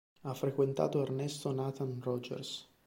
Ha frequentato Ernesto Nathan Rogers.